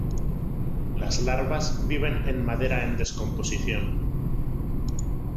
Las larvas viven en madera en descomposición.